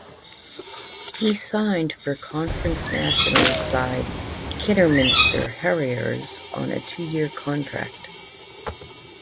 He signed for Conference National side Kidderminster Harriers on a two-year contract.